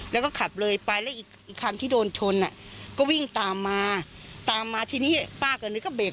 แล้วก็ขับเลยไปแล้วอีกคันที่โดนชนอ่ะก็วิ่งตามมาตามมาทีนี้ป้าก็นึกก็เบรก